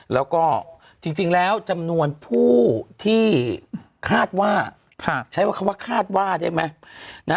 แล้วก็จริงแล้วจำนวนผู้ที่คาดว่าใช้ว่าคำว่าคาดว่าได้ไหม